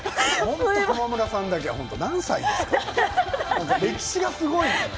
駒村さんは何歳ですか？